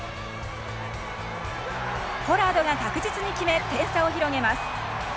ポラードが確実に決め点差を広げます。